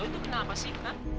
oh itu kenapa sih